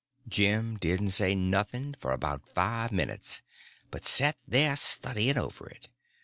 Jim didn't say nothing for about five minutes, but set there studying over it.